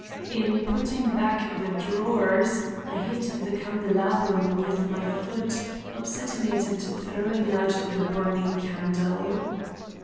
In putting back the drawers I hit the candelabrum with my foot, upsetting it and throwing out the burning candle.